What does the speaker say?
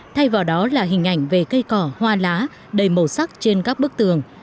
thay vào đó là hình ảnh về cây cỏ hoa lá đầy màu sắc trên các bức tường